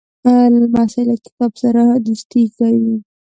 لمسی له کتاب سره دوستي کوي.